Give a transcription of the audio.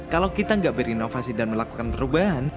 kalau kita nggak berinovasi dan melakukan perubahan